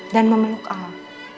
dan memeluk al